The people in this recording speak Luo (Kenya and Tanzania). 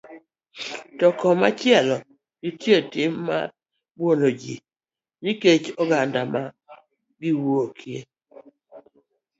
To komachielo, nitie tim mar buono ji nikech oganda ma giwuokie.